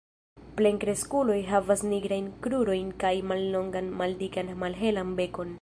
Plenkreskuloj havas nigrajn krurojn kaj mallongan maldikan malhelan bekon.